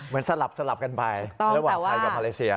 สลับกันไประหว่างไทยกับมาเลเซีย